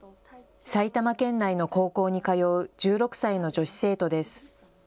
埼玉県内の高校に通う１６歳の女子生徒です。